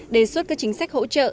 đề xuất các chính sách hỗ trợ